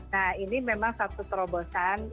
nah ini memang satu terobosan